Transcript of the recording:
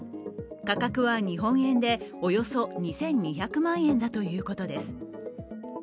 価格は日本円でおよそ２２００万円だということです。